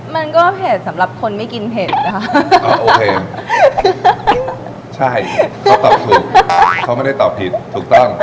มันก็เผ็ดสำหรับคนไม่กินเผ็ดนะคะก็โอเคใช่เขาตอบถูกเขาไม่ได้ตอบผิดถูกต้อง